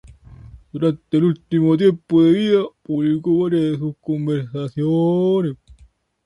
Durante el último tiempo de vida publicó varias de sus conversaciones.